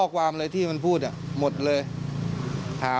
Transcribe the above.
ขาดใจที่ก็พูดอ่ะ